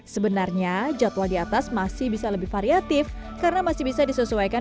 sebenarnya jadwal di atas masih bisa lebih variatif karena masih bisa disesuaikan